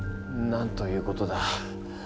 なんということだ。